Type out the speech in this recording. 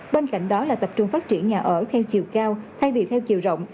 bên cạnh đó là tập trung phát triển nhà ở theo chiều cao thay vì theo chiều rộng